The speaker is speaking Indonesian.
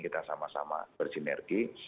kita sama sama bersinergi